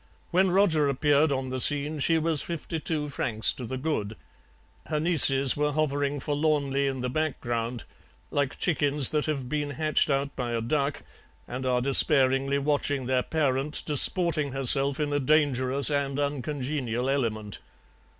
When Roger appeared on the scene she was fifty two francs to the good; her nieces were hovering forlornly in the background, like chickens that have been hatched out by a duck and are despairingly watching their parent disporting herself in a dangerous and uncongenial element.